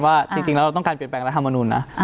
ว่าจริงแล้วเราต้องการเปลี่ยนแปลงรัฐมนุนนะ